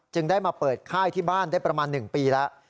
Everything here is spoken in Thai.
ได้มาเปิดค่ายที่บ้านได้ประมาณ๑ปีแล้ว